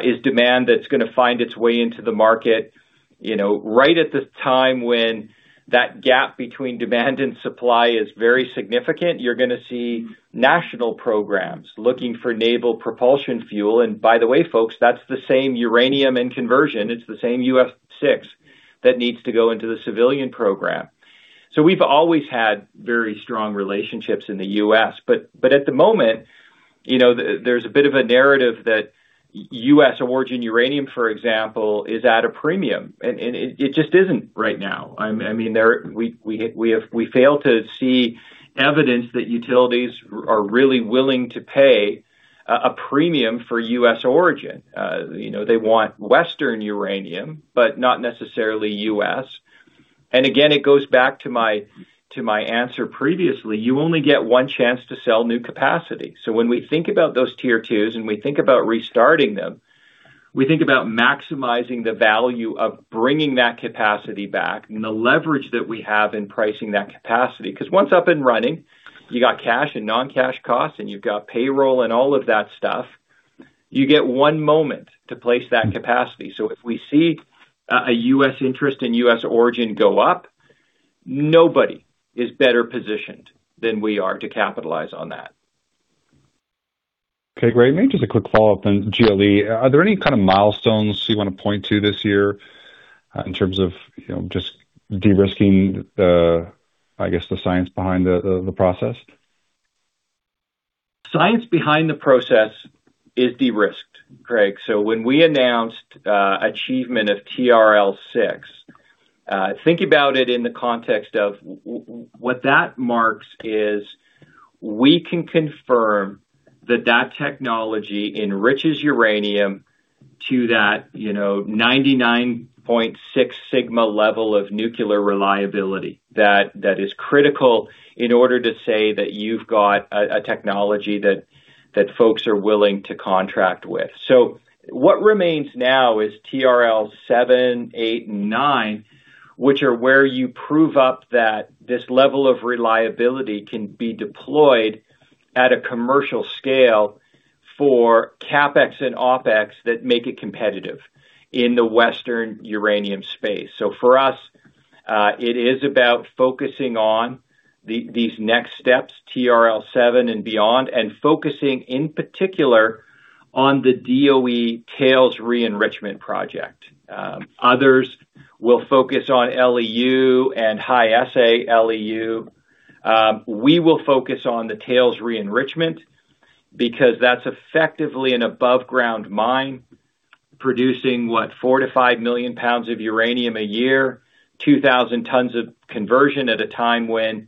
is demand that's gonna find its way into the market—you know, right at this time when that gap between demand and supply is very significant, you're gonna see national programs looking for naval propulsion fuel. And by the way, folks, that's the same uranium and conversion. It's the same UF6 that needs to go into the civilian program. So we've always had very strong relationships in the U.S. But at the moment, you know, there's a bit of a narrative that U.S. origin uranium, for example, is at a premium, and it just isn't right now. I mean, we fail to see evidence that utilities are really willing to pay a premium for U.S. origin. You know, they want Western uranium, but not necessarily U.S. And again, it goes back to my answer previously, you only get one chance to sell new capacity. So when we think about those Tier Twos and we think about restarting them, we think about maximizing the value of bringing that capacity back and the leverage that we have in pricing that capacity. Because once up and running, you got cash and non-cash costs, and you've got payroll and all of that stuff, you get one moment to place that capacity. So if we see a U.S. interest in U.S. origin go up, nobody is better positioned than we are to capitalize on that. Okay, great. Maybe just a quick follow-up on GLE. Are there any kind of milestones you want to point to this year, in terms of, you know, just de-risking the, I guess, the science behind the process? Science behind the process is de-risked, Craig. So when we announced achievement of TRL 6, think about it in the context of what that marks is, we can confirm that that technology enriches uranium to that, you know, 99.6 sigma level of nuclear reliability, that, that is critical in order to say that you've got a technology that folks are willing to contract with. So what remains now is TRL 7, 8, and 9, which are where you prove up that this level of reliability can be deployed at a commercial scale for CapEx and OpEx that make it competitive in the Western uranium space. So for us, it is about focusing on these next steps, TRL 7 and beyond, and focusing in particular on the DOE tails re-enrichment project. Others will focus on LEU and high assay LEU. We will focus on the tails re-enrichment because that's effectively an above-ground mine producing what? 4-5 million pounds of uranium a year, 2,000 tons of conversion at a time when,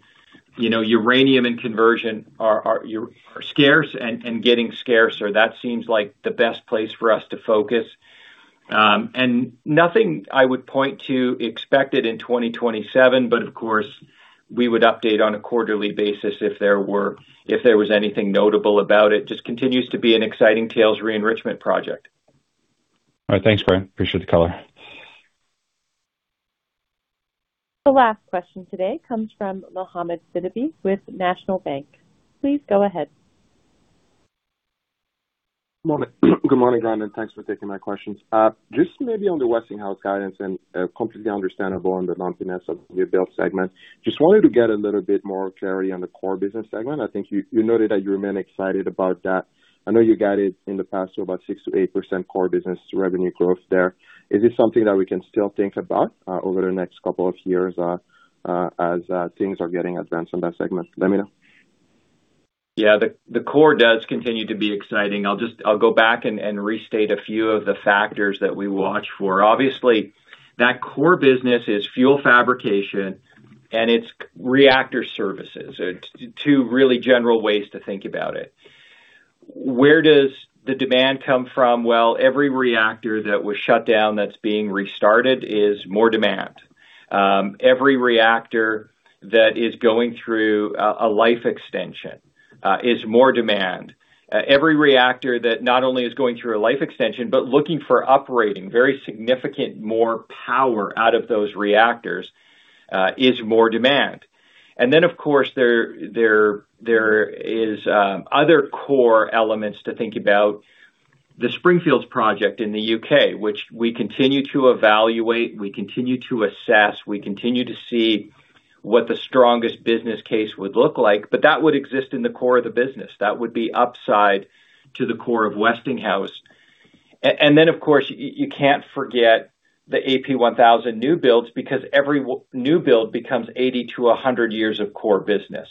you know, uranium and conversion are scarce and getting scarcer. That seems like the best place for us to focus. And nothing I would point to expected in 2027, but of course, we would update on a quarterly basis if there were... if there was anything notable about it. Just continues to be an exciting tails re-enrichment project. All right, thanks, Grant. Appreciate the color. The last question today comes from Mohamed Sidibe with National Bank. Please go ahead. Morning. Good morning, Grant, and thanks for taking my questions. Just maybe on the Westinghouse guidance and completely understandable on the lumpiness of the build segment. Just wanted to get a little bit more clarity on the core business segment. I think you noted that you remain excited about that. I know you guided in the past to about 6%-8% core business revenue growth there. Is this something that we can still think about over the next couple of years as things are getting advanced on that segment? Let me know. Yeah, the core does continue to be exciting. I'll go back and restate a few of the factors that we watch for. Obviously, that core business is fuel fabrication and it's reactor services. It's two really general ways to think about it. Where does the demand come from? Well, every reactor that was shut down that's being restarted is more demand. Every reactor that is going through a life extension is more demand. Every reactor that not only is going through a life extension, but looking for uprating, very significant, more power out of those reactors, is more demand. And then, of course, there is other core elements to think about. The Springfields project in the UK, which we continue to evaluate, we continue to assess, we continue to see what the strongest business case would look like, but that would exist in the core of the business. That would be upside to the core of Westinghouse. And then, of course, you can't forget the AP1000 new builds, because every new build becomes 80-100 years of core business.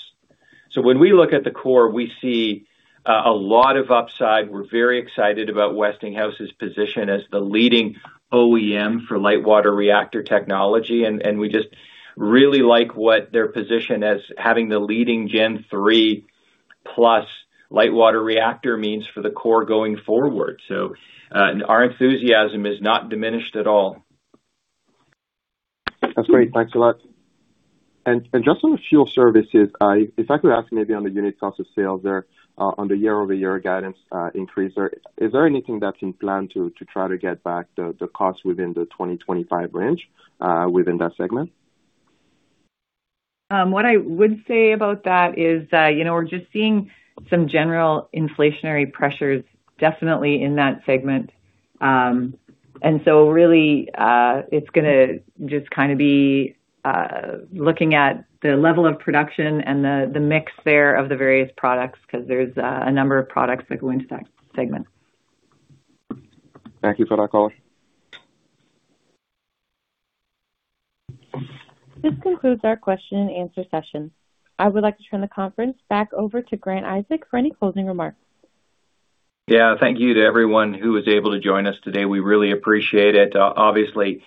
So when we look at the core, we see a lot of upside. We're very excited about Westinghouse's position as the leading OEM for light water reactor technology, and we just really like what their position as having the leading Gen III+ light water reactor means for the core going forward. So, and our enthusiasm is not diminished at all. That's great. Thanks a lot. And just on the fuel services, if I could ask maybe on the unit cost of sales there, on the year-over-year guidance increase, is there anything that's in plan to try to get back the costs within the 2025 range, within that segment? What I would say about that is that, you know, we're just seeing some general inflationary pressures definitely in that segment. And so really, it's gonna just kinda be looking at the level of production and the mix there of the various products, because there's a number of products that go into that segment. Thank you for that color. This concludes our question and answer session. I would like to turn the conference back over to Grant Isaac for any closing remarks. Yeah, thank you to everyone who was able to join us today. We really appreciate it. Obviously,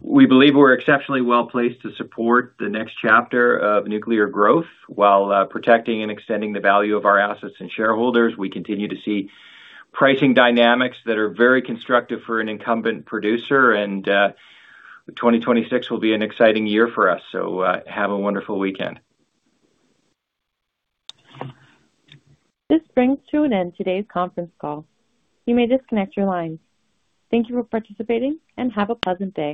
we believe we're exceptionally well placed to support the next chapter of nuclear growth, while protecting and extending the value of our assets and shareholders. We continue to see pricing dynamics that are very constructive for an incumbent producer, and 2026 will be an exciting year for us, so have a wonderful weekend. This brings to an end today's conference call. You may disconnect your lines. Thank you for participating and have a pleasant day.